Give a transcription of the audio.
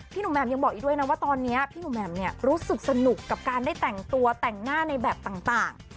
หนุ่มแหม่มยังบอกอีกด้วยนะว่าตอนนี้พี่หนุ่มแหม่มเนี่ยรู้สึกสนุกกับการได้แต่งตัวแต่งหน้าในแบบต่าง